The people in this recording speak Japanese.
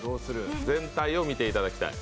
全体を見ていただきたい。